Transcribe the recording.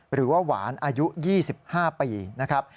หรือว่าหวานอายุ๒๕ปีนะครับ